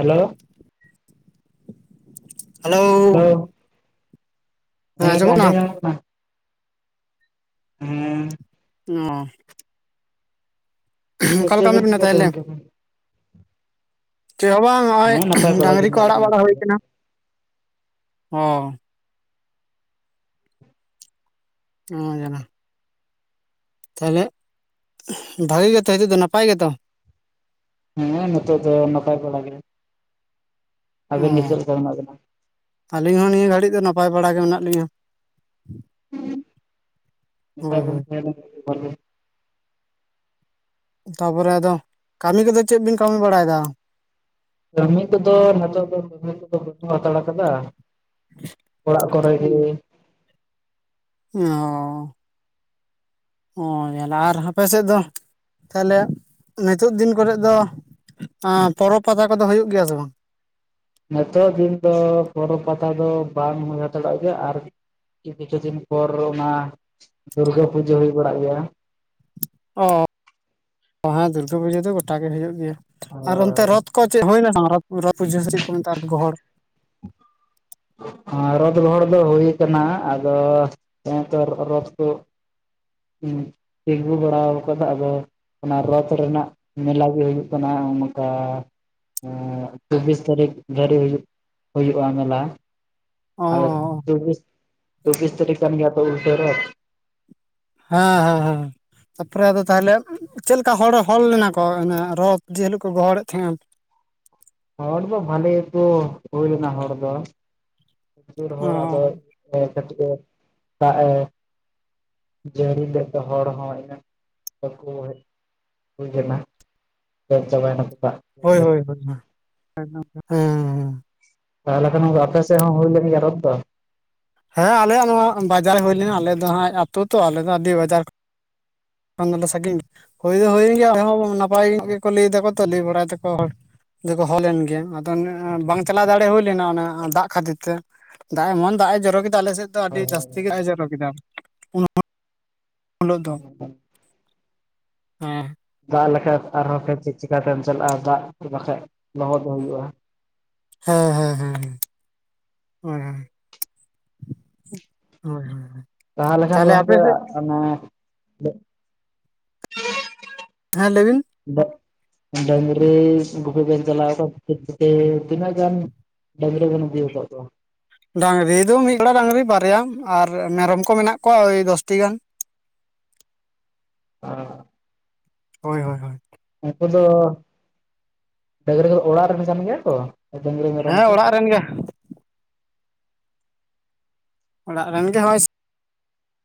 Hello. Hello. ᱞᱟᱹᱭ ᱢᱮ ᱥᱮ ᱟᱡᱚᱢ ᱧᱟᱢᱚᱜ ᱠᱟᱱᱟ ᱾ ᱦᱩᱸ ᱾ ᱚᱸ ᱾ ᱚᱠᱟ ᱪᱮᱫ ᱞᱮᱠᱟ ᱢᱮᱱᱟᱜ ᱵᱤᱱ ᱵᱤᱱᱟ ᱪᱤᱠᱟᱹᱮᱫ ᱛᱟᱦᱮᱱ ᱛᱟᱦᱚᱞᱮ ᱚᱱᱠᱟ ᱫᱚ ᱾ ᱪᱮᱫ ᱦᱚᱸ ᱵᱟᱝ ᱱᱚᱜ ᱚᱭ ᱦᱮᱸ ᱱᱟᱯᱟᱭ ᱵᱟᱲᱟ ᱜᱮ ᱰᱟᱝᱨᱤ ᱠᱚ ᱢᱮᱱᱟᱜ ᱟᱲᱟᱜ ᱞᱤᱧᱟ ᱵᱟᱲᱟ ᱱᱤᱛᱚᱜ ᱦᱩᱭ ᱫᱚ ᱟᱠᱟᱱᱟ ᱦᱚ ᱾ ᱦᱚᱸᱡᱟᱱᱟ ᱾ ᱛᱟᱦᱚᱞᱮ ᱵᱷᱟᱜᱤ ᱜᱮᱛᱚ ᱦᱤᱛᱚᱜ ᱫᱚ ᱱᱟᱯᱟᱭ ᱜᱮᱛᱚ ᱾ ᱦᱮᱸ ᱱᱤᱛᱚᱜ ᱫᱚ ᱱᱚᱯᱟᱭ ᱵᱟᱲᱟ ᱜᱮ ᱚ ᱟᱵᱤᱱ ᱜᱮ ᱪᱮᱫ ᱞᱮᱠᱟ ᱢᱮᱱᱟᱜ ᱵᱮᱱᱟ ᱟᱹᱞᱤᱧ ᱦᱚᱸ ᱱᱤᱭᱟᱹ ᱜᱷᱟᱹᱲᱤᱡ ᱫᱚ ᱱᱟᱯᱟᱭ ᱵᱟᱲᱟ ᱜᱮ ᱢᱮᱱᱟᱜ ᱞᱤᱧᱟᱹ ᱾ ᱦᱳᱭ ᱦᱳᱭ [unintelligible] ᱛᱟᱯᱚᱨᱮ ᱟᱫᱚ ᱠᱟᱹᱢᱤ ᱠᱚᱫᱚ ᱪᱮᱫ ᱵᱤᱱ ᱠᱟᱹᱢᱤ ᱵᱟᱲᱟᱭᱫᱟ ᱾ ᱠᱟᱹᱢᱤ ᱠᱚᱫᱚ ᱱᱤᱛᱚᱜ ᱫᱚ ᱠᱟᱹᱢᱤ ᱠᱚᱫᱚ ᱵᱟᱱᱩᱜ ᱦᱟᱛᱟᱲ ᱟᱠᱟᱫᱟ ᱾ ᱚᱲᱟᱜ ᱠᱚᱨᱮ ᱜᱮ ᱾ ᱚᱸ᱾ [unintelligible] ᱟᱨ ᱦᱟᱯᱮ ᱥᱮᱫ ᱫᱚ ᱛᱟᱦᱚᱞᱮ ᱱᱤᱛᱚᱜ ᱫᱤᱱ ᱠᱚᱨᱮ ᱫᱚ ᱯᱚᱨᱚᱵᱽ ᱯᱟᱛᱟ ᱠᱚᱫᱚ ᱦᱩᱭᱩᱜ ᱜᱮᱭᱟ ᱥᱮ ᱵᱟᱝ? ᱱᱤᱛᱚᱜ ᱫᱤᱱ ᱫᱚ ᱯᱚᱨᱚᱵᱽ ᱯᱟᱛᱟ ᱫᱚ ᱵᱟᱝ ᱦᱩᱭ ᱦᱟᱛᱟᱲᱚᱜ ᱜᱮᱭᱟ᱾ ᱟᱨ ᱠᱤᱪᱷᱩ ᱫᱤᱱ ᱯᱚᱨ ᱚᱱᱟ ᱫᱩᱨᱜᱟᱹ ᱯᱩᱡᱟᱹ ᱦᱩᱭ ᱵᱟᱲᱟᱜ ᱜᱮᱭᱟ᱾ ᱚ ᱦᱮᱸ᱾ ᱫᱩᱨᱜᱟᱹ ᱯᱩᱡᱟᱹ ᱫᱚ ᱜᱚᱴᱟ ᱜᱮ ᱦᱩᱭᱩᱜ ᱜᱮᱭᱟ᱾ ᱟᱨ ᱚᱱᱛᱮ ᱨᱚᱛᱷᱻ ᱠᱚ ᱪᱮᱫ ᱦᱩᱭᱱᱟ ᱥᱮ ᱵᱟᱝ ᱨᱚᱛᱷ ᱯᱩᱤᱥᱟᱹ ᱥᱮ ᱪᱮᱫ ᱠᱚ ᱢᱮᱛᱟᱜ ᱜᱚᱦᱚᱲ ᱨᱚᱛ ᱜᱚᱦᱚᱲ ᱫᱚ ᱦᱩᱭ ᱟᱠᱟᱱᱟ ᱟᱫᱚ ᱨᱚᱛ ᱠᱚ ᱦᱮᱸ ᱛᱤᱸᱜᱩ ᱵᱟᱲᱟ ᱠᱟᱫᱟ ᱟᱫᱚ, ᱚᱱᱟ ᱨᱚᱛ ᱨᱮᱱᱟᱜ ᱢᱮᱞᱟ ᱜᱮ ᱦᱩᱭᱩᱜ ᱠᱟᱱᱟ ᱚᱱᱠᱟ᱾ ᱪᱚᱵᱵᱤᱥ ᱛᱟᱨᱤᱠᱷ ᱫᱷᱟᱨᱤᱡ ᱦᱩᱭᱩᱜ ᱦᱩᱭᱩᱜᱼᱟ ᱢᱮᱞᱟ ᱾ ᱟᱫᱚ ᱚ ᱪᱚᱵᱵᱤᱥ ᱯᱚᱪᱤᱥ ᱛᱟᱹᱨᱤᱠᱷ ᱠᱟᱱ ᱜᱮᱭᱟ ᱛᱚ ᱩᱞᱴᱟᱹ ᱨᱚᱛᱷ ᱾ ᱦᱮᱸ ᱦᱮᱸ ᱦᱮᱸ᱾ ᱛᱟᱯᱚᱨᱮ ᱟᱫᱚ ᱛᱟᱦᱚᱞᱮ ᱪᱮᱫ ᱞᱮᱠᱟ ᱦᱚᱲ ᱦᱚᱲ ᱞᱮᱱᱟ ᱠᱚ ᱚᱱᱟ ᱨᱚᱛ ᱡᱮ ᱦᱤᱞᱳᱜ ᱠᱚ ᱜᱚᱦᱚᱲᱮᱫ ᱛᱟᱦᱮᱱ? ᱦᱚᱲ ᱫᱚ ᱵᱷᱟᱹᱞᱤ ᱜᱮᱠᱚ ᱦᱩᱭ ᱞᱮᱱᱟ ᱦᱚᱲ ᱫᱚ [unintelligible] ᱟᱨ ᱚ ᱦᱚᱲ ᱟᱫᱚ [unintelligible] ᱫᱟᱜ ᱮ ᱡᱟᱹᱲᱤ ᱞᱮᱜ ᱛᱮ ᱦᱚᱲ ᱦᱚᱸ ᱤᱱᱟᱹᱜ ᱵᱟᱠᱚ ᱦᱮᱡ ᱦᱩᱭ ᱮᱱᱟ᱾ [unintelligible] ᱫᱟᱜ ᱦᱳᱭ ᱠᱷᱟᱹᱛᱤᱨ ᱦᱳᱭ ᱦᱳᱭ ᱦᱮᱸ᱾ ᱛᱟᱦᱚᱞᱮ ᱠᱷᱟᱱ ᱟᱯᱮ ᱥᱮᱫ ᱦᱚᱸ ᱦᱩᱭ ᱞᱮᱱ ᱜᱮᱭᱟ ᱨᱚᱛᱷ ᱫᱚ? ᱦᱮᱸ ᱟᱞᱮᱭᱟᱜ ᱱᱚᱣᱟ ᱵᱟᱡᱟᱨ ᱨᱮ ᱦᱩᱭ ᱞᱮᱱᱟ᱾ ᱟᱞᱮ ᱫᱚ ᱦᱟᱸᱜ ᱟᱹᱛᱳ ᱛᱚ ᱟᱞᱮ ᱫᱚ ᱟᱹᱰᱤ ᱵᱟᱡᱟᱨ ᱠᱷᱟᱱ ᱫᱚᱞᱮ ᱥᱟᱸᱜᱤᱧ, ᱦᱩᱭ ᱫᱚ ᱦᱩᱭᱮᱱ ᱜᱮᱭᱟ ᱟᱞᱮ ᱦᱚᱸ ᱱᱟᱯᱟᱭ ᱜᱮᱠᱚ ᱞᱟᱹᱭ ᱫᱟᱠᱚ ᱛᱚ ᱞᱟᱹᱭ ᱵᱟᱲᱟᱭ ᱫᱟᱠᱚ ᱦᱚᱲ᱾ ᱫᱮᱠᱚ ᱦᱚ ᱞᱮᱱ ᱜᱮᱭᱟ᱾ ᱟᱫᱚ ᱵᱟᱝ ᱪᱟᱞᱟᱣ ᱫᱟᱲᱮ ᱦᱩᱭ ᱞᱮᱱᱟ ᱚᱱᱟ ᱫᱟᱜ ᱠᱷᱟᱹᱛᱤᱨ ᱛᱮ᱾ ᱫᱟᱜ ᱮᱢᱚᱱ ᱫᱟᱜ ᱮ ᱡᱚᱨᱚ ᱠᱮᱫᱟ, ᱟᱞᱮ ᱥᱮᱜ ᱫᱚ ᱟᱹᱰᱤ ᱡᱟᱹᱥᱛᱤ ᱜᱮ ᱫᱟᱜ ᱮ ᱡᱚᱨᱚ ᱠᱮᱫᱟ, ᱩᱱ ᱦᱤᱞᱳᱜ ᱫᱚ [inaudible] ᱦᱮᱸ᱾ ᱫᱟᱜ ᱞᱮᱠᱷᱟᱱ ᱟᱨᱦᱚᱸ [unintelligible] ᱪᱮᱫ ᱪᱤᱠᱟᱛᱮᱢ ᱪᱟᱞᱟᱜᱼᱟ᱾ ᱫᱟᱜ ᱵᱟᱠᱷᱟᱡ ᱞᱚᱦᱚᱫ ᱦᱩᱭᱩᱜᱼᱟ᱾ ᱦᱮᱸ ᱦᱮᱸ ᱦᱮᱸ ᱦᱮᱸ᱾ ᱦᱳᱭ ᱦᱳᱭ ᱦᱳᱭ᱾ ᱞᱟᱦᱟ ᱞᱮᱠᱷᱟᱱ ᱛᱟᱦᱚᱞᱮ ᱟᱯᱮ ᱜᱚᱝᱠᱮ ᱥᱮᱫ ᱚᱱᱮ ᱦᱮᱸ ᱞᱟᱹᱭ ᱵᱤᱱ᱾ ᱰᱟᱝᱨᱤ ᱜᱩᱯᱤ ᱵᱮᱱ ᱪᱟᱞᱟᱣ ᱠᱚᱜ-ᱟ, ᱡᱷᱤᱯᱤᱨ ᱡᱷᱤᱯᱤᱨ᱾ ᱛᱤᱱᱟᱹᱜ ᱜᱟᱱ ᱰᱟᱹᱝᱨᱤ ᱵᱮᱱ ᱤᱫᱤ ᱟᱠᱟᱫ ᱠᱚᱣᱟ? ᱰᱟᱹᱝᱨᱤ ᱫᱚ ᱢᱤᱫ ᱡᱚᱲᱟ ᱰᱟᱹᱝᱨᱤ ᱵᱟᱨᱭᱟ, ᱟᱨ ᱢᱮᱨᱚᱢ ᱠᱚ ᱢᱮᱱᱟᱜ ᱠᱚᱣᱟ ᱳᱭ ᱫᱚᱥᱴᱤ ᱜᱟᱱ᱾ [unintelligible] ᱦᱳᱭ ᱦᱳᱭ ᱦᱳᱭ᱾ ᱩᱱᱠᱩ ᱫᱚ, ᱰᱟᱹᱝᱨᱤ ᱚᱲᱟᱜ ᱨᱮᱱ ᱠᱟᱱ ᱜᱮᱭᱟ ᱠᱚ ᱰᱟᱹᱝᱨᱤ ᱢᱮᱨᱚᱢ ᱦᱮᱸ ᱠᱚ? ᱚᱲᱟᱜ ᱨᱮᱱ ᱜᱮ᱾ ᱚᱲᱟᱜ ᱨᱮᱱ ᱜᱮ ᱦᱚᱜᱼᱚᱭ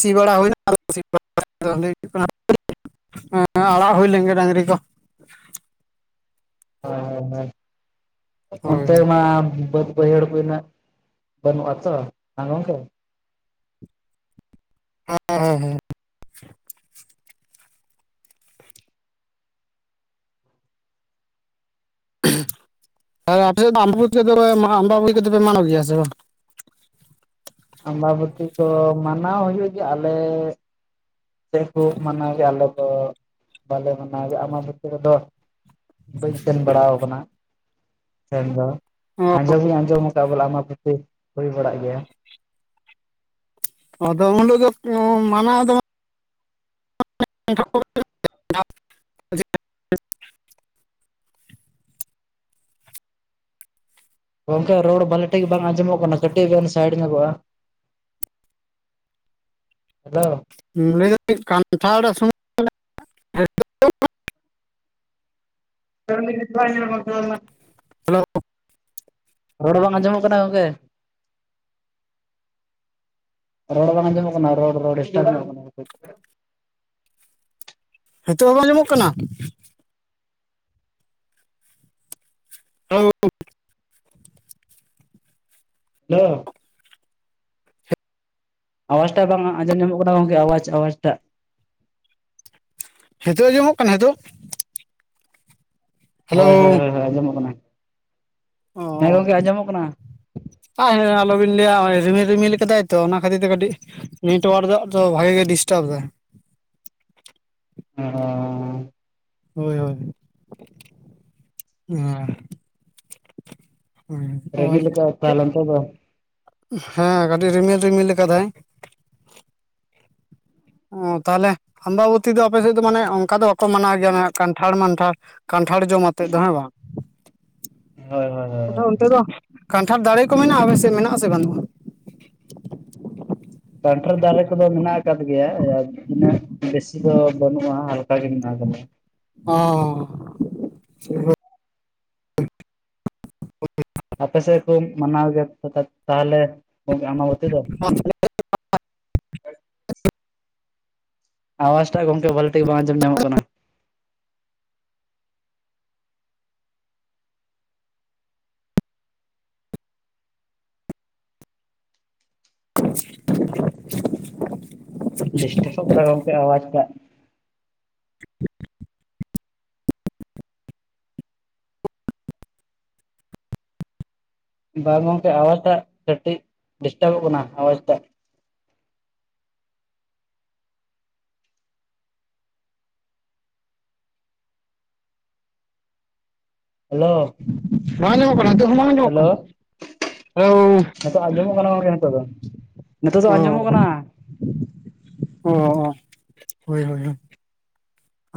ᱥᱤ ᱵᱟᱲᱟ ᱦᱩᱭᱱᱟ ᱛᱚ [unintelligible] ᱦᱮᱸ ᱟᱲᱟᱜ ᱦᱩᱭ ᱞᱮᱱ ᱜᱮᱭᱟ ᱰᱟᱹᱝᱨᱤ ᱠᱚ᱾ ᱦᱳᱭ ᱦᱳᱭ ᱦᱳᱭ᱾ ᱚᱱᱛᱮ ᱢᱟ ᱵᱟᱹᱭᱦᱟᱹᱲ ᱠᱚ ᱤᱱᱟᱹᱜ ᱵᱟᱹᱱᱩᱜᱼᱟ ᱛᱚ ᱵᱟᱝ ᱜᱚᱝᱠᱮ? ᱦᱮᱸ ᱦᱮᱸ ᱦᱮᱸ᱾ ᱟᱨ ᱟᱯᱮ ᱥᱮᱫ ᱫᱚ ᱟᱢᱵᱟᱵᱚᱛᱤ ᱠᱚᱫᱚ ᱯᱮ ᱢᱟᱱᱟᱣ ᱜᱮᱭᱟ ᱥᱮ ᱵᱟᱝ? ᱟᱢᱵᱟᱵᱚᱛᱤ ᱫᱚ ᱢᱟᱱᱟᱣ ᱦᱩᱭᱩᱜ ᱜᱮᱭᱟ᱾ ᱟᱞᱮ ᱥᱮᱫ ᱠᱚ ᱢᱟᱱᱟᱣ ᱜᱮᱭᱟ ᱟᱞᱮ ᱫᱚ ᱵᱟᱞᱮ ᱢᱟᱱᱟᱣ ᱜᱮᱭᱟ ᱟᱢᱵᱟᱵᱚᱛᱤ ᱠᱚᱫᱚ ᱵᱟᱹᱧ ᱥᱮᱱ ᱵᱟᱲᱟ ᱠᱟᱱᱟ ᱥᱮᱱ ᱫᱚ ᱟᱸᱡᱚᱢᱤᱧ ᱟᱸᱡᱚᱢ ᱵᱚᱞᱮ ᱟᱢᱵᱟᱵᱚᱛᱤ ᱦᱩᱭ ᱵᱟᱲᱟᱜ ᱜᱮᱭᱟ ᱟᱫᱚ ᱩᱱᱦᱤᱞᱚᱜ ᱜᱮ ᱢᱟᱱᱟᱣ ᱫᱚ [inaudible] ᱜᱚᱝᱠᱮ ᱨᱚᱲ ᱵᱷᱟᱞᱮ ᱴᱷᱤᱠ ᱵᱟᱝ ᱟᱸᱡᱚᱢᱚᱜ ᱠᱟᱱᱟ ᱠᱟᱹᱴᱤᱡ ᱵᱤᱱ ᱥᱟᱭᱤᱰ ᱧᱚᱜᱚᱜᱼᱟ ᱦᱮᱞᱳ ᱞᱟᱹᱭ ᱫᱟᱹᱧ ᱠᱟᱱᱛᱷᱟᱲ [inaudible] [unintelligible] ᱦᱮᱞᱳ ᱨᱚᱲ ᱵᱟᱝ ᱟᱸᱡᱚᱢᱚᱜ ᱠᱟᱱᱟ ᱜᱚᱝᱠᱮ ᱨᱳᱰ ᱵᱟᱝ ᱟᱡᱚᱢᱚᱜ ᱠᱟᱱᱟ ᱨᱚᱲ ᱨᱚᱲ ᱰᱤᱥᱴᱟᱵ ᱠᱟᱱᱟ ᱠᱟᱹᱴᱤᱡ ᱱᱤᱛᱚᱜ ᱦᱚᱸ ᱵᱟᱝ ᱧᱟᱢᱚᱜ ᱠᱟᱱᱟ? ᱦᱮᱞᱳ [inaudible] ᱟᱣᱟᱡᱽ ᱴᱟ ᱵᱟᱝ ᱟᱸᱡᱚᱢ ᱧᱟᱢᱚᱜ ᱠᱟᱱᱟ ᱜᱚᱝᱠᱮ ᱟᱣᱟᱡᱽ ᱟᱣᱟᱡᱽ ᱴᱟᱜ ᱱᱤᱛᱚᱜᱜ ᱟᱸᱚᱢᱚᱜ ᱠᱟᱱᱟ ᱱᱤᱛᱚᱜ ᱦᱮᱞᱳ ᱦᱳᱭ ᱦᱳᱭ ᱦᱳᱭ ᱦᱳᱭ ᱟᱸᱡᱚᱢᱚᱜ ᱠᱟᱱᱟ᱾ ᱦᱮᱸ ᱚ ᱜᱚᱝᱠᱮ ᱟᱸᱡᱚᱢᱚᱜ ᱠᱟᱱᱟ [inaudible] ᱟᱞᱚᱵᱤᱱ ᱞᱟᱹᱭᱟᱜ ᱨᱤᱢᱤᱞ ᱨᱤᱢᱤᱞ ᱠᱟᱫᱟᱭ ᱛᱚ ᱚᱱᱟ ᱠᱷᱟᱹᱛᱤᱨ ᱛᱮ ᱠᱟᱹᱴᱤᱡ ᱱᱮᱴᱚᱟᱨᱠ ᱫᱚ ᱵᱷᱟᱜᱤ ᱜᱮ ᱰᱤᱥᱴᱟᱵᱽ ᱫᱟ᱾ [unintelligible] ᱦᱳᱭ ᱦᱳᱭ ᱦᱮᱸ ᱪᱮᱫ ᱨᱟᱹᱜᱤ ᱞᱮᱠᱟ ᱛᱟᱦᱚᱞᱮ ᱱᱤᱛᱚᱜ ᱫᱚ ᱦᱮᱸ ᱠᱟᱹᱴᱤᱡ ᱨᱤᱢᱤᱞ ᱨᱤᱢᱤᱞ ᱟᱠᱟᱫᱟᱭ᱾ ᱚ ᱛᱟᱦᱞᱮ ᱦᱢᱵᱟᱵᱚᱛᱤ ᱫᱚ ᱟᱯᱮ ᱥᱮᱫ ᱫᱚ ᱢᱟᱱᱮ ᱚᱱᱠᱟ ᱫᱚ ᱵᱟᱠᱚ ᱢᱟᱱᱟᱣ ᱜᱮᱭᱟ ᱠᱟᱱᱴᱷᱟᱲ ᱢᱟᱱᱴᱷᱟᱲ ᱠᱟᱱᱴᱷᱟᱲ ᱡᱚᱢ ᱟᱛᱮᱫ ᱫᱚ ᱦᱮᱸ ᱵᱟᱝ, ᱦᱳᱭ ᱦᱳᱭ ᱟᱫᱚ ᱦᱳᱭ ᱚᱱᱛᱮ ᱫᱚ ᱠᱟᱱᱴᱷᱟᱲ ᱫᱟᱲᱮ ᱠᱚ ᱢᱮᱱᱟᱜᱼᱟ ᱟᱯᱮᱥᱮ ᱢᱮᱱᱟᱜᱼᱟᱥᱮ ᱵᱟᱹᱱᱩᱜᱼᱟ᱾ ᱠᱟᱱᱴᱷᱟᱲ ᱫᱟᱨᱮ ᱠᱚᱫᱚ ᱢᱮᱱᱟᱜ ᱟᱠᱟᱫ ᱜᱮᱭᱟ ᱛᱤᱱᱟᱹᱜ ᱵᱮᱥᱤ ᱫᱚ ᱵᱟᱹᱱᱩᱜᱼᱟ ᱦᱟᱞ [inaudible] ᱚ ᱟᱯᱮᱥᱮᱫ ᱠᱚ ᱢᱟᱱᱟᱣ ᱜᱮᱭᱟ ᱛᱟᱦᱚᱞᱮ ᱜᱚᱝᱠᱮ ᱟᱵᱚᱛᱤ ᱫᱚ? [inaudible] ᱟᱣᱟᱡ ᱴᱟᱜ ᱜᱚᱢᱠᱮ ᱵᱷᱟᱞᱤ ᱴᱷᱤᱠ ᱵᱟᱝ ᱟᱸᱡᱚᱢ ᱧᱟᱢᱚᱜ ᱠᱟᱱᱟ᱾ [unintelligible] ᱰᱤᱥᱴᱟᱯᱚᱜ ᱠᱟᱱᱟ ᱜᱚᱢᱠᱮ ᱟᱣᱟᱡᱟᱜ [unintelligible] ᱵᱟᱝ ᱜᱚᱝᱠᱮ ᱟᱣᱟᱡ ᱴᱟᱜ ᱠᱟᱹᱴᱤᱡ ᱰᱤᱥᱴᱟᱵᱚᱜ ᱠᱟᱱᱟ ᱟᱣᱟᱡ ᱴᱟᱜ ᱦᱮᱞᱳ ᱵᱟᱝ ᱧᱟᱢᱚᱜ ᱠᱟᱱᱟ ᱱᱤᱛ ᱦᱚᱸ ᱵᱟᱝ ᱧᱚᱜᱚᱜ ᱠᱟᱱᱟ? ᱦᱮᱞᱳ ᱱᱤᱛᱳᱜ ᱟᱸᱡᱚᱢᱚᱜ ᱠᱟᱱᱟ ᱜᱚᱢᱠᱮ ᱱᱤᱛᱳᱜ ᱫᱚ ᱱᱤᱛᱳᱜ ᱫᱚ ᱚ ᱟᱸᱡᱚᱢᱚᱜ ᱠᱟᱱᱟ ᱚ ᱦᱳᱭ ᱦᱳᱭᱳᱭ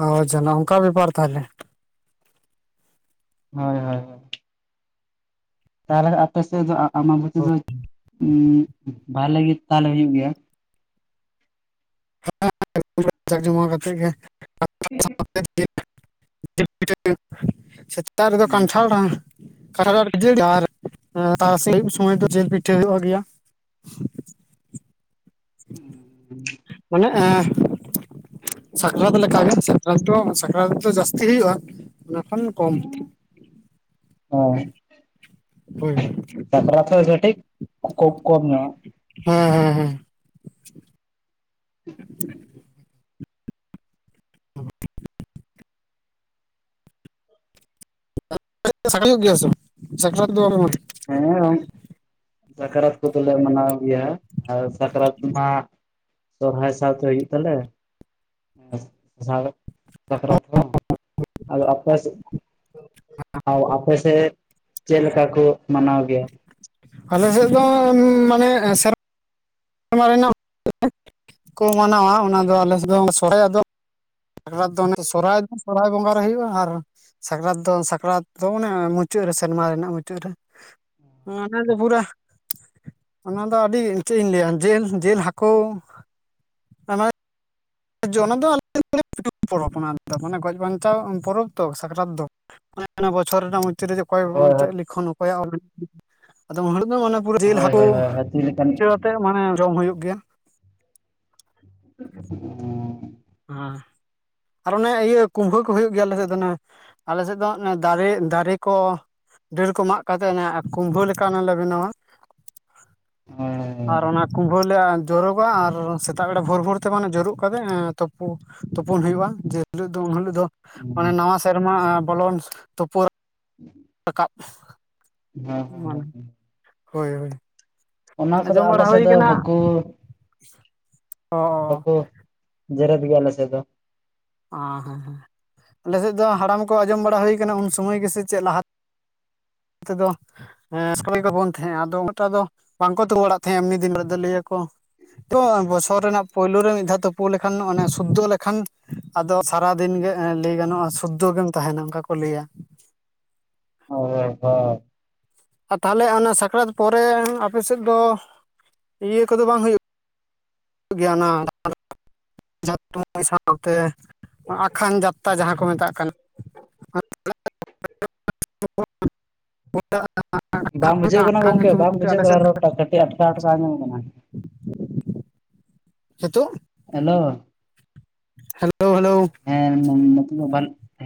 ᱟᱪᱪᱷᱟ ᱚᱱᱠᱟ ᱵᱮᱯᱟᱨ ᱛᱟᱦᱚᱞᱮ ᱦᱳᱭ ᱦᱳᱭ ᱦᱳᱭ᱾ ᱛᱟᱦᱚᱞᱮ ᱟᱯᱮ ᱥᱮᱫ ᱫᱚ ᱟᱢᱵᱚᱛᱤ ᱫᱚ ᱵᱷᱟᱞᱮ ᱜᱮ ᱛᱟᱦᱚᱞᱮ ᱦᱩᱭᱩᱜ ᱜᱮᱭᱟ᱾ ᱦᱮᱸᱟ [inaudible] ᱠᱟᱛᱮᱮᱫ ᱜᱮ [inaudible] [inaudible] ᱥᱮᱛᱟᱜ ᱨᱮᱫᱚ ᱠᱟᱱᱴᱷᱟᱲ [inaudible] ᱛᱟᱨᱟ ᱥᱤᱧ ᱫᱚ ᱡᱤᱞ ᱯᱤᱴᱷᱟᱹ ᱦᱩᱭᱩᱜ ᱜᱮᱭᱟ ᱢᱟᱱᱮ ᱟᱸ ᱥᱟᱠᱨᱟᱛ ᱞᱮᱠᱟᱜᱮ ᱥᱟᱠᱨᱟᱛ ᱫᱚ ᱥᱟᱠᱨᱟᱛ ᱫᱚ ᱡᱟᱹᱥᱛᱤ ᱦᱩᱭᱩᱜᱼᱟ ᱚᱱᱟ ᱠᱷᱚᱱ ᱠᱚᱢ᱾ ᱚ ᱦᱳᱭ ᱦᱳᱭ ᱾ [unintelligible] ᱦᱮᱸ ᱦᱮᱸ ᱾ [inaudible] [unintelligible] ᱥᱟᱠᱨᱟᱛ ᱫᱚ [unintelligible] ᱦᱮᱸ ᱦᱮᱸ ᱾ ᱥᱟᱠᱨᱟᱛ ᱠᱚᱫᱚᱞᱮ ᱢᱟᱱᱟᱣ ᱜᱮᱭᱟ ᱟᱨ ᱥᱟᱠᱨᱟᱛ ᱢᱟ ᱥᱚᱨᱦᱟᱭ ᱥᱟᱶᱛᱮ ᱦᱩᱭᱩᱜ ᱛᱟᱞᱮ [unintelligible] ᱥᱟᱠᱨᱟᱛ ᱦᱚᱸ ᱟᱫᱚ ᱟᱯᱮ [unintelligible] ᱟᱫᱚ ᱟᱯᱮ ᱥᱮᱫ ᱪᱮᱫ ᱞᱮᱠᱟ ᱠᱚ ᱢᱟᱱᱟᱣ ᱜᱮᱭᱟ᱾ ᱟᱞᱮ ᱥᱮᱫ ᱫᱚ ᱢᱟᱱᱮ ᱥᱮᱨ ᱢᱟ ᱨᱮᱱᱟᱜ [unintelligible] ᱠᱚ ᱢᱟᱱᱟᱣᱟ ᱚᱱᱟ ᱫᱚ ᱟᱞᱮ ᱥᱮᱫ ᱫᱚ [unintelligible] ᱟᱫᱚ ᱥᱟᱠᱨᱟᱛ ᱫᱚ ᱚᱱᱮ ᱥᱚᱨᱦᱟᱭ ᱫᱚ ᱥᱚᱨᱦᱟᱭ ᱵᱚᱸᱜᱟ ᱨᱮ ᱦᱩᱭᱩᱜ-ᱟ ᱟᱨ ᱥᱟᱠᱨᱟᱛ ᱫᱚ ᱥᱟᱠᱨᱟᱛ ᱫᱚ ᱚᱱᱟ ᱢᱩᱪᱟᱹᱫ ᱨᱮ ᱥᱮᱨᱢᱟ ᱨᱮᱱᱟᱜ ᱢᱩᱪᱟᱹᱫ ᱨᱮ ᱚᱱᱟ [unintelligible] ᱯᱩᱨᱟ᱾ ᱚᱱᱟ ᱫᱚ ᱟᱹᱰᱤ ᱪᱮᱫ ᱤᱧ ᱞᱟᱹᱭ-ᱟ ᱡᱤᱞ ᱡᱤᱞ ᱦᱟᱹᱠᱩ [unintelligible] ᱚᱱᱟ ᱫᱚ ᱟᱞᱮ [unintelligible] ᱯᱚᱨᱚᱵᱽ ᱚᱱᱟ ᱢᱟᱱᱮ ᱜᱚᱡ ᱵᱟᱧᱪᱟᱣ ᱯᱚᱨᱚᱵᱽ ᱛᱚ ᱥᱟᱠᱨᱟᱛ ᱫᱚ᱾ [unintelligible] ᱵᱚᱪᱷᱚᱨ ᱨᱮᱱᱟᱜ ᱢᱩᱪᱟ. ᱫ ᱨᱮ ᱚᱠᱚᱭ ᱦᱳᱭ ᱦᱳᱭ ᱪᱮᱫ ᱞᱤᱠᱷᱚᱱ ᱚᱠᱚᱭᱟᱜ ᱚᱞ [unintelligible] ᱟᱫᱚ [unintelligible] ᱯᱩᱨᱟᱹ ᱡᱤᱞ ᱦᱳᱭ ᱦᱟᱠᱳ ᱦᱳᱭ ᱦᱟᱹᱛᱤ ᱞᱮᱠᱟᱱ [inaudible] ᱦᱮᱸ ᱪᱟᱹ ᱟᱛᱮ ᱢᱟᱱᱮ ᱡᱚᱢ ᱦᱳᱭᱳᱜ ᱜᱮᱭᱟ᱾ ᱟ ᱟᱨ ᱚᱱᱮ ᱤᱭᱟᱹ ᱠᱩᱢᱵᱷᱟᱹ ᱠᱚ ᱦᱩᱭᱩᱜ ᱜᱮᱭᱟ ᱟᱞᱮ ᱥᱮᱫ ᱫᱚ ᱟᱞᱮ ᱥᱮᱫ ᱫᱚ ᱚᱱᱮ ᱫᱟᱨᱮ ᱫᱟᱨᱮ ᱠᱚ ᱰᱟᱹᱨ ᱠᱚ ᱢᱟᱜ ᱠᱟᱛᱮ ᱱᱟᱜ ᱠᱩᱢᱵᱷᱟᱹ ᱞᱮᱠᱟ ᱚᱱᱟ ᱞᱮ ᱵᱮᱱᱟᱣᱟ ᱾ ᱦᱮᱸ ᱟᱨ ᱚᱱᱟ ᱠᱩᱢᱷᱵᱟᱹ ᱞᱮ ᱡᱚᱨᱚᱜᱟ ᱟᱨ ᱥᱮᱛᱟᱜ ᱵᱮᱲᱟ ᱵᱷᱳᱨ ᱵᱷᱳᱨ ᱛᱮ ᱢᱟᱱᱮ ᱡᱳᱨᱳᱜ ᱠᱟᱛᱮᱫ ᱛᱳᱯᱳ ᱛᱳᱯᱳᱱ ᱦᱳᱭᱳᱜ-ᱟ ᱡᱮ ᱦᱤᱞᱳᱜ ᱫᱚ ᱩᱱᱦᱤᱞᱳᱜ ᱫᱚ ᱢᱟᱱᱮ ᱱᱟᱣᱟ ᱥᱮᱨᱢᱟ ᱵᱚᱞᱚᱱ ᱛᱳᱯᱳ [inaudible] ᱨᱟᱠᱟᱵ ᱢᱟᱱᱮ ᱦᱮᱸ ᱦᱳᱭ ᱦᱳᱭ᱾ ᱚᱱᱟ ᱠᱚᱫᱚ ᱟᱸᱡᱚᱢ ᱟᱞᱮ ᱵᱟᱲᱟ ᱥᱮᱫ ᱦᱳᱭ ᱫᱚ ᱠᱟᱱᱟ ᱵᱟᱠᱚ [inaudible] ᱵᱟᱠᱚ ᱡᱮᱨᱮᱫ ᱜᱮᱭᱟ ᱟᱞᱮ ᱥᱮᱫ ᱫᱚ᱾ ᱟ ᱦᱮᱸ ᱦᱮᱸ᱾ ᱟᱞᱮ ᱥᱮᱫ ᱫᱚ ᱦᱟᱲᱟᱢ ᱠᱚ ᱟᱸᱡᱚᱢ ᱵᱟᱲᱟ ᱦᱳᱭ ᱠᱟᱱᱟ ᱩᱱ ᱥᱚᱢᱚᱭ ᱜᱮᱥᱮ ᱪᱮᱫ ᱞᱟᱦᱟ ᱛᱮᱫᱚ [unintelligible] ᱦᱮᱸ ᱥᱠᱩᱞ ᱜᱮ ᱵᱚᱱ ᱛᱟᱦᱮᱸ ᱟᱫᱚ ᱚᱱᱠᱟ ᱫᱚ ᱵᱟᱝᱠᱚ ᱛᱮᱜᱳ ᱵᱟᱲᱟᱜ ᱛᱟᱦᱮᱸ ᱮᱢᱱᱤ ᱫᱤᱱ ᱨᱮᱫᱚ ᱞᱟᱹᱭ ᱟᱠᱚ᱾ ᱛᱚ ᱵᱚᱪᱷᱚᱨ ᱨᱮᱱᱟᱜ ᱯᱳᱭᱞᱳ ᱨᱮ ᱢᱤᱫ ᱫᱷᱟᱣ ᱛᱳᱯᱳ ᱞᱮᱠᱷᱟᱱ ᱚᱱᱮ ᱥᱩᱫᱫᱷᱚ ᱞᱮᱠᱷᱟᱱ ᱟᱫᱚ ᱥᱟᱨᱟᱫᱤᱱ ᱜᱮ ᱮᱸ ᱞᱟᱹᱭ ᱜᱟᱱᱚᱜᱼᱟ ᱥᱩᱫᱫᱷᱚ ᱜᱮᱢ ᱛᱟᱦᱮᱱᱟ ᱚᱱᱠᱟ ᱠᱚ ᱞᱟᱹᱭ-ᱟ᱾ ᱦᱳᱭ [unintelligible] ᱟ ᱛᱟᱦᱚᱞᱮ ᱚᱱᱟ ᱥᱟᱠᱨᱟᱛ ᱯᱚᱨᱮ ᱟᱯᱮ ᱥᱮᱫ ᱫᱚ ᱤᱭᱟᱹ ᱠᱚᱫᱚ ᱵᱟᱝ ᱦᱳᱭᱳᱜ ᱜᱮᱭᱟ ᱚᱱᱟ [unintelligible] [unintelligible] ᱥᱟᱶᱛᱮ ᱟᱠᱷᱟᱱ ᱡᱟᱛᱛᱟ ᱡᱟᱦᱟᱸ ᱠᱚ ᱢᱮᱛᱟᱜ ᱠᱟᱱᱟ᱾ [inaudible] [unintelligible] ᱵᱟᱝ ᱵᱩᱡᱷᱟᱹᱜ ᱢᱤᱫᱴᱟᱝ ᱠᱟᱱᱟ ᱟᱠᱷᱟᱱ ᱜᱚᱝᱠᱮ ᱧᱩᱛᱩᱢ ᱵᱟᱝ ᱛᱮ ᱵᱩᱡᱷᱟᱹᱜ ᱟᱞᱮ ᱥᱮᱫ ᱠᱟᱱᱟ ᱫᱚ ᱨᱚᱴ ᱴᱟᱜ ᱠᱟᱹᱴᱤᱡ ᱟᱴᱠᱟ ᱟᱴᱠᱟ ᱟᱡᱚᱢᱚᱜ ᱠᱟᱱᱟ᱾ ᱦᱤᱸᱛᱳᱜ ᱦᱮᱞᱳ ᱦᱮᱞᱳ ᱦᱮᱞᱳ ᱦᱮᱸ [unintelligible]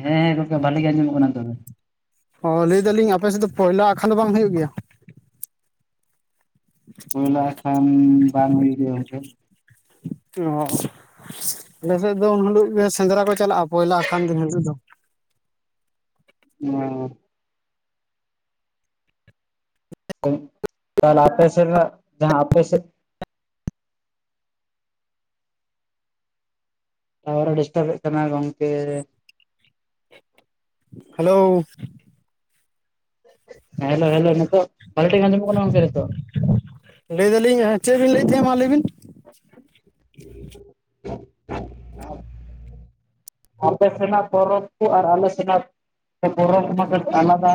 ᱦᱮᱸ ᱜᱚᱝᱠᱮ ᱵᱷᱟᱞᱮ ᱜᱮ ᱟᱸᱡᱚᱢᱚᱜ ᱠᱟᱱᱟ ᱱᱤᱛᱚᱜ ᱫᱚ᱾ ᱚ ᱞᱟᱹᱭ ᱫᱟᱹᱞᱤᱧ ᱟᱯᱮ ᱥᱮᱫ ᱫᱚ ᱯᱚᱭᱞᱟ ᱟᱠᱷᱟᱱ ᱫᱚ ᱵᱟᱝ ᱦᱳᱭᱳᱜ ᱜᱮᱭᱟ? ᱯᱩᱭᱞᱟ ᱟᱠᱷᱟᱱ ᱵᱟᱝ ᱦᱳᱭᱳᱜ ᱜᱮᱭᱟ ᱜᱚᱝᱠᱮ᱾ ᱳ ᱟᱞᱮ ᱥᱮᱫ ᱫᱚ ᱩᱱ ᱦᱤᱞᱳᱜ ᱜᱮ ᱥᱮᱸᱫᱽᱨᱟ ᱠᱚ ᱪᱟᱞᱟᱜ-ᱟ ᱯᱚᱭᱞᱟ ᱟᱠᱷᱟᱱ ᱫᱤᱱ ᱦᱤᱞᱳᱜ ᱫᱚ᱾ ᱚ [unintelligible] ᱛᱟᱦᱚᱞᱮ ᱟᱯᱮ ᱥᱮᱱᱟᱜ ᱡᱟᱦᱟᱸ ᱟᱯᱮ ᱥᱮᱫ ᱴᱟᱣᱟᱨ ᱮ ᱰᱤᱥᱴᱟᱵ ᱮᱫ ᱛᱟᱢᱟᱭ ᱜᱚᱝᱠᱮ᱾ ᱦᱮᱞᱳᱣ ᱦᱮᱞᱳ ᱦᱮᱞᱳ ᱱᱤᱛᱳᱜ ᱵᱷᱟᱞᱮ ᱴᱷᱤᱠ ᱟᱡᱚᱢᱚᱜ ᱠᱟᱱᱟ ᱜᱚᱝᱠᱮ ᱱᱤᱛᱳᱜ ᱞᱟᱹᱭ ᱫᱟᱞᱤᱧ ᱪᱮᱫ ᱵᱤᱱ ᱞᱟᱹᱭᱮᱫ ᱛᱟᱦᱮᱜ-ᱟ ᱢᱟ ᱞᱟᱹᱭ ᱵᱤᱱ [unintelligible] ᱟᱯᱮ ᱥᱮᱱᱟᱜ ᱯᱚᱨᱚᱵᱽ ᱠᱚ ᱟᱨ ᱟᱞᱮ ᱥᱮᱱᱟᱜ ᱯᱚᱨᱚᱵᱽ [unintelligible] ᱟᱞᱟᱫᱟ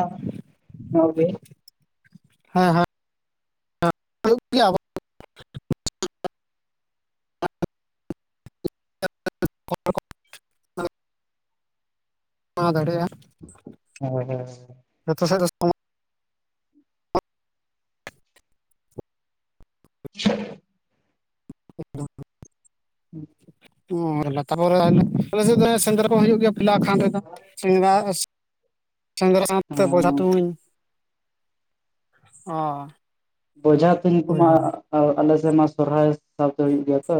ᱧᱚᱜ ᱜᱮ ᱦᱮᱸ ᱦᱮᱸ [unintelligible] [inaudible] ᱢᱟ ᱫᱟᱲᱮᱭᱟᱜ-ᱟ [inaudible] ᱦᱳ ᱦᱳ ᱡᱚᱛᱚ ᱫᱚ ᱥᱚᱢᱚᱭ [unintelligible] [unintelligible] ᱦᱩᱸ ᱚ ᱞᱟᱛᱟᱨ ᱨᱮᱞᱮ ᱟᱞᱮᱥᱮᱫ [unintelligible] ᱥᱮᱸᱫᱽᱨᱟ ᱠᱚ ᱦᱩᱭᱩᱜ ᱜᱮᱭᱟ ᱯᱟᱞᱮ ᱠᱷᱟᱱ ᱨᱮᱫᱚ ᱥᱮᱸᱫᱽᱨᱟ [inaudible] ᱥᱮᱸᱫᱽᱨᱟ ᱥᱟᱶᱛᱮ ᱵᱚᱡᱷᱟ ᱛᱩᱢᱟᱹᱧ [inaudible] ᱚ ᱵᱳᱡᱟ ᱛᱩᱧ ᱦᱳᱭ ᱠᱚᱢᱟ ᱦᱳᱭ ᱟᱨ ᱟᱞᱮᱥᱮᱫ ᱢᱟ ᱥᱚᱨᱚᱦᱟᱭ ᱥᱟᱵ ᱫᱚ ᱦᱩᱭᱩᱜ ᱜᱮᱭᱟ ᱛᱚ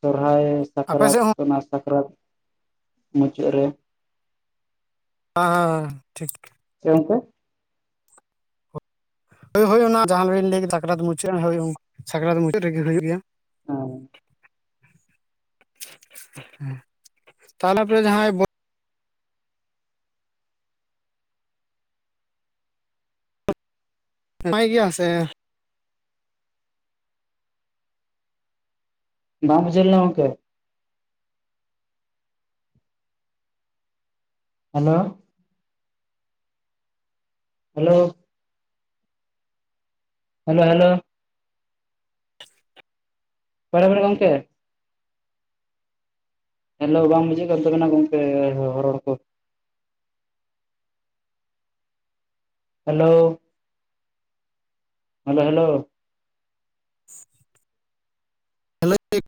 ᱥᱚᱨᱦᱟᱭ ᱟᱯᱮ ᱥᱟᱠᱨᱟᱛ ᱥᱮᱫ ᱦᱚᱸ ᱚᱱᱟ ᱥᱟᱠᱨᱟᱛ ᱢᱩᱪᱟᱹᱫ ᱨᱮ ᱦᱮᱸ ᱦᱮᱸᱻ ᱴᱷᱤᱠ ᱪᱮᱢ ᱠᱚ ᱦᱳᱭ ᱦᱳᱭ ᱚᱱᱟ ᱡᱟᱦᱟᱸ ᱵᱤᱱ ᱞᱟᱹᱭ ᱥᱟᱠᱨᱟᱛ ᱢᱩᱪᱟᱹᱫ ᱦᱳᱭ ᱥᱟᱠᱨᱟᱛ ᱢᱩᱪᱟᱹᱫ ᱨᱮᱜᱮ ᱦᱩᱭᱩᱜ ᱜᱮᱭᱟ [unintelligible] ᱛᱟᱦᱞᱮ ᱟᱯᱮ ᱡᱟᱦᱟᱸᱭ ᱵᱩ ᱢᱮᱱᱟᱭ ᱜᱮᱭᱟ ᱥᱮ ᱵᱟᱝ ᱵᱩᱡᱷᱟᱹᱣ ᱞᱮᱱᱟ ᱜᱚᱝᱠᱮ ᱦᱮᱞᱳ ᱦᱮᱞᱳ ᱦᱮᱞᱳ ᱦᱮᱞᱳ ᱚᱠᱟᱨᱮ [unintelligible] ᱜᱚᱢᱠᱮ ᱦᱮᱞᱳ ᱵᱟᱝ ᱵᱩᱡᱷᱩᱜ ᱠᱟᱱ ᱛᱟᱵᱤᱱᱟ ᱜᱚᱢᱠᱮ ᱦᱚᱲᱚᱲ ᱠᱚ ᱦᱮᱞᱳ ᱦᱮᱞᱳ ᱦᱮᱞᱳ ᱦᱮᱞᱳᱪᱤᱠ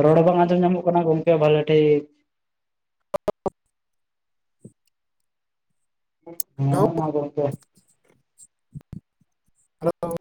ᱨᱚᱲ ᱦᱚᱸ ᱵᱟᱝ ᱟᱸᱡᱚᱢ ᱧᱟᱢᱚᱜ ᱠᱟᱱᱟ ᱜᱚᱝᱠᱮ ᱵᱷᱟᱜᱮ ᱴᱷᱤᱠ ᱦᱳ ᱢᱟ ᱜᱚᱝᱠᱮ [unintelligible]